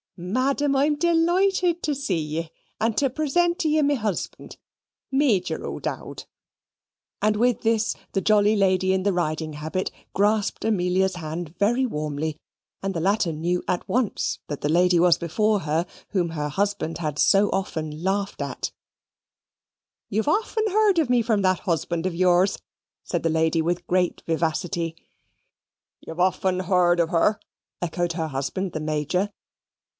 Madam, I'm deloighted to see ye; and to present to you me husband, Meejor O'Dowd"; and with this, the jolly lady in the riding habit grasped Amelia's hand very warmly, and the latter knew at once that the lady was before her whom her husband had so often laughed at. "You've often heard of me from that husband of yours," said the lady, with great vivacity. "You've often heard of her," echoed her husband, the Major.